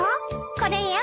これよ。